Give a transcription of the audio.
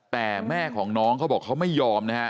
แต่แม่ของน้องเขาบอกเขาไม่ยอมนะฮะ